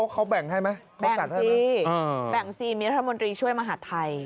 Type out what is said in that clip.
เขาแบ่งให้ไหมแบ่งสิมีรัฐมนตรีช่วยมหาทัย